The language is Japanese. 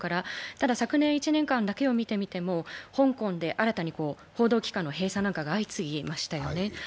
ただ昨年１年間だけを見てみても、香港で新たな報道機関の閉鎖が相次ぎましたよね。